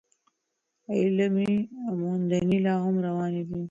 علمي موندنې لا هم روانې دي.